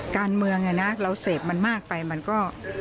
การเมืองเราเสพมันมากไปมันก็